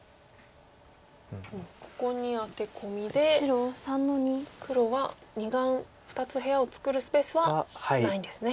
ここにアテコミで黒は２眼２つ部屋を作るスペースはないんですね。